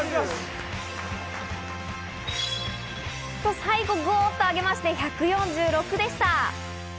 最後、グっと上げまして、１４６でした。